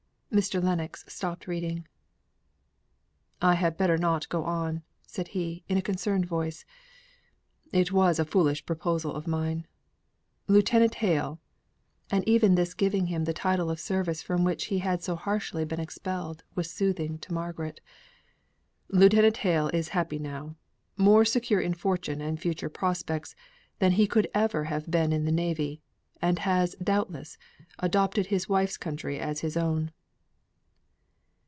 Mr. Lennox stopped reading. "I had better not go on," said he, in a concerned voice. "It was a foolish proposal of mine. Lieutenant Hale," and even this giving him the title of the service from which he had so harshly been expelled, was soothing to Margaret. "Lieutenant Hale is happy now; more secure in fortune and future prospects than he could ever have been in the navy; and has, doubtless, adopted his wife's country as his own."